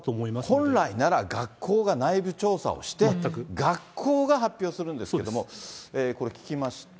本来なら、学校が内部調査をして、学校が発表するんですけれども、これ聞きました。